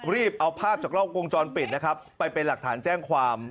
รีบเอาภาพจากกล้องวงจรปิดนะครับไปเป็นหลักฐานแจ้งความ